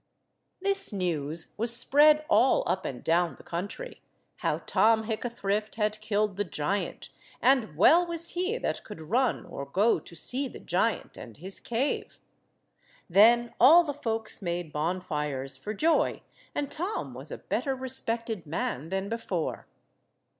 This news was spread all up and down the country, how Tom Hickathrift had killed the giant, and well was he that could run or go to see the giant and his cave. Then all the folks made bonfires for joy, and Tom was a better respected man than before.